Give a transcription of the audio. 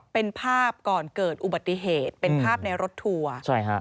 เป็นภาพก่อนเกิดอุบัติเหตุเป็นภาพในรถทัวร์ใช่ฮะ